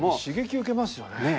刺激受けますよね。